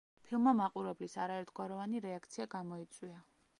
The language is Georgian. ფილმმა მაყურებლის არაერთგვაროვანი რეაქცია გამოიწვია.